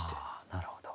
あなるほど。